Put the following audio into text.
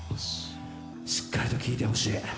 しっかりと聴いてほしい。